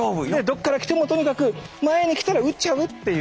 どっから来てもとにかく前に来たら撃っちゃうっていう。